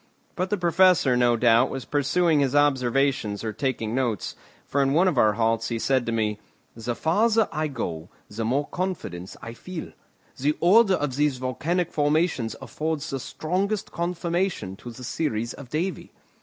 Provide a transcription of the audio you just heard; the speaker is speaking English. But the Professor, no doubt, was pursuing his observations or taking notes, for in one of our halts he said to me: "The farther I go the more confidence I feel. The order of these volcanic formations affords the strongest confirmation to the theories of Davy.